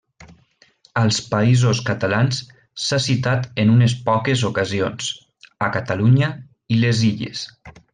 Als Països Catalans s'ha citat en unes poques ocasions, a Catalunya i les Illes.